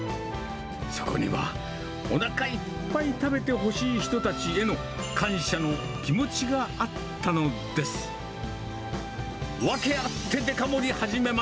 そこには、おなかいっぱい食べてほしい人たちへの感謝の気持ちがあったので疲れた！